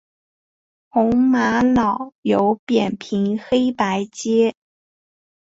红玛瑙有扁平黑白阶。